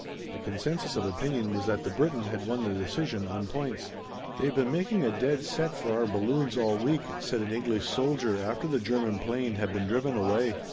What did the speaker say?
The consensus of opinion was that the Briton had won the decision on points. "They've been making a dead set for our balloons all week," said an English soldier after the German 'plane had been driven away.